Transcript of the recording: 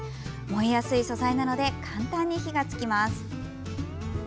燃えやすい素材なので簡単に火がつきます。